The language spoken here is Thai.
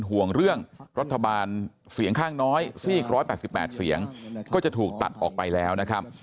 ห่วงเรื่องรัฐบาลเสียงข้างน้อยซีก๑๘๘เสียงก็จะถูกตัดออกไปแล้วนะครับ